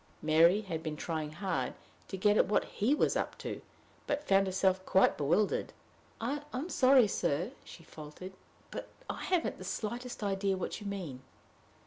Mary had been trying hard to get at what he was "up to," but found herself quite bewildered. "I am sorry, sir," she faltered, "but I haven't the slightest idea what you mean."